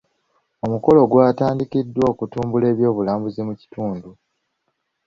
Omukolo gwatandikiddwa okutumbula ebyobulambuzi mu kitundu.